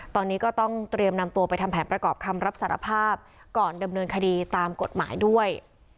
ตอนนี้ก็ต้องเตรียมนำตัวไปทำแผนประกอบคำรับสารภาพก่อนดำเนินคดีตามกฎหมายด้วย